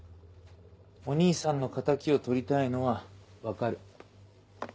お兄さんの敵を取りたいのは分かる。